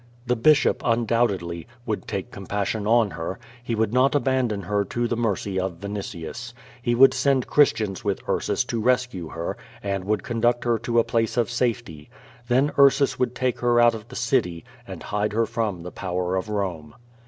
The bishop, undoubtedly, would take compassion on her; he would not abandon her to the mercy of Vinitius. lie would send Christians with Ursus to rescue her, and would conduct her to a place of safety. Then l^rsus would take her out of the city, and hide her from the power of Rome.